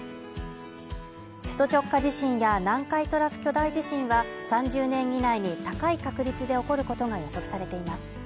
首都直下地震や南海トラフ巨大地震は３０年以内に高い確率で起こることが予測されています